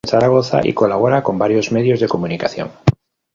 Actualmente vive en Zaragoza y colabora con varios medios de comunicación.